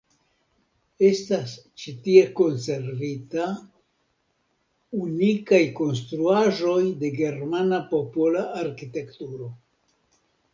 Estas ĉi tie konservita unikaj konstruaĵoj de germana popola arkitekturo.